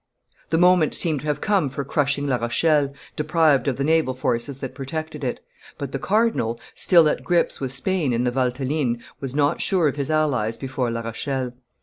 The moment seemed to have come for crushing La Rochelle, deprived of the naval forces that protected it; but the cardinal, still at grips with Spain in the Valteline, was not sure of his allies before La Rochelle.